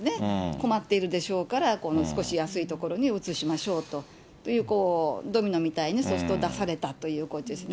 困っているでしょうから、少し安い所に移しましょうと、こういうドミノみたいに、出されたということですね。